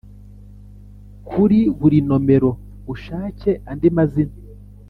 Kuri buri nomero ushake andi mazina